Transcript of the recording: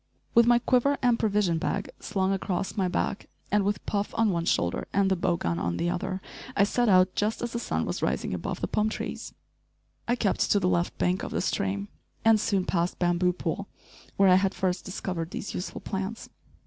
With my quiver and provision bag slung across my back and with Puff on one shoulder and the bow gun on the other, I set out just as the sun was rising above the palm trees. I kept to the left bank of the stream, and soon passed "Bamboo Pool" where I had first discovered these useful plants.